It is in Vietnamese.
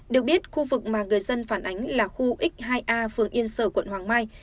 được biết khu vực mà người dân phản ánh là khu x hai a phường yên sở quận hoàng mai